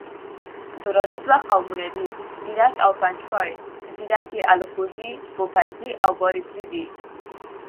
دراني دوه قومه دي، ځیرک او پنجپای. ځیرک یي الکوزي، پوپلزي او بارکزي دی